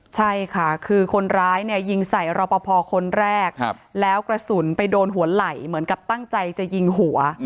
ใช่ค่ะคือคนร้ายเนี่ยยิงใส่รอปภคนแรกแล้วกระสุนไปโดนหัวไหล่เหมือนกับตั้งใจจะยิงหัว